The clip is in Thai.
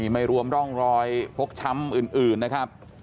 ไม่รวมร่องรอยฟกช้ำอื่นนะครับ